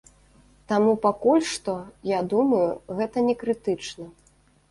Таму пакуль што, я думаю, гэта не крытычна.